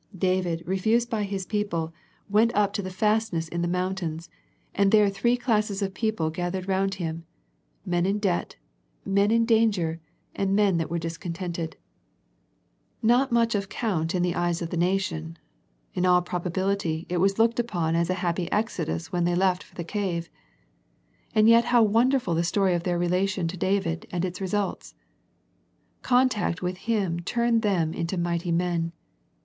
David, refused by his people, went up The Philadelphia Letter 179 to the fastness in the mountains, and there three classes of people gathered round him, men in debt, men in danger, and men that were discontented. Not of much count in the eyes of the nation. In all probability it was looked upon as a happy exodus when they left for the cave. And yet how wonderful the story of their relation to David, and its results. Con tact with him turned them into mighty men.